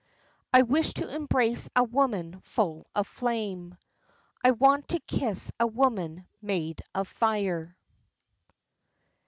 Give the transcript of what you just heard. I wish to embrace a woman full of flame, I want to kiss a woman made of fire.